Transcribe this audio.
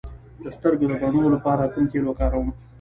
د سترګو د بڼو لپاره کوم تېل وکاروم؟